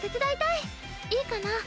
いいかな？